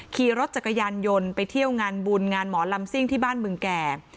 ขี่รถจักรยานยนต์ไปเที่ยวงานบุญงานหมอลำซิ่งที่บ้านเมืองแก่